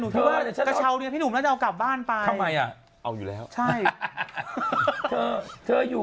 ก็จะดีมันมาเดี๋ยวเรากลับบ้านไปเท่าไหร่เอาอยู่แล้วใช่เธออยู่